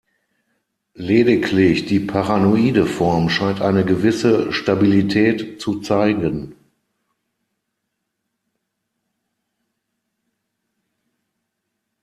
Lediglich die paranoide Form scheint eine gewisse Stabilität zu zeigen.